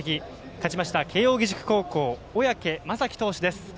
勝ちました、慶応義塾高校小宅雅己投手です。